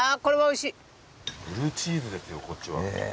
ブルーチーズですよこっちは。